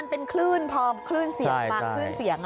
พอคลื่นเสียงมางคลื่นเสียง